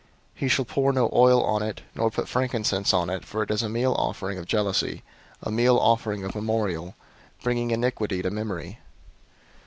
He shall pour no oil on it, nor put frankincense on it, for it is a meal offering of jealousy, a meal offering of memorial, bringing iniquity to memory.